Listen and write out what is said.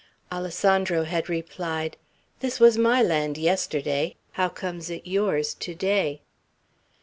Alessandro had replied, "This was my land yesterday. How comes it yours to day?"